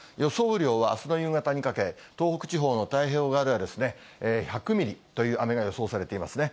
雨量はあすの夕方にかけ、東北地方の太平洋側では１００ミリという雨が予想されていますね。